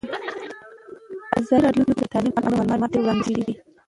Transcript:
په ازادي راډیو کې د تعلیم اړوند معلومات ډېر وړاندې شوي.